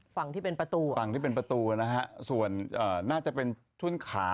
ฝั่งที่เป็นประตูฝั่งที่เป็นประตูนะฮะส่วนน่าจะเป็นทุ่นขา